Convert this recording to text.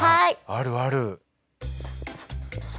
あるある。